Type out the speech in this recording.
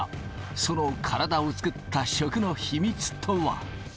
その体を作った食の秘密とは。